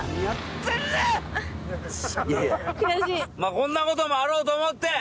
こんなこともあろうと思って。